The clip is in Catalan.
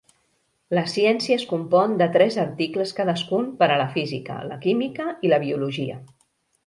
La ciència es compon de tres articles cadascun per a la física, la química i la biologia.